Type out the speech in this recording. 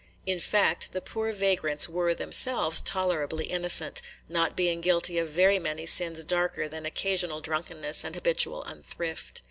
In fact, the poor vagrants were themselves tolerably innocent, not being guilty of very many sins darker than occasional drunkenness and habitual unthrift.